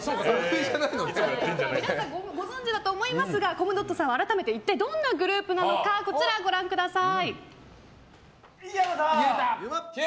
皆さん、ご存じだと思いますがコムドットさんを改めて、一体どんなグループかご覧ください。